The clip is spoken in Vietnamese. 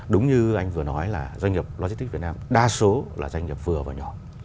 đúng như anh vừa nói là doanh nghiệp logistics việt nam đa số là doanh nghiệp vừa và nhỏ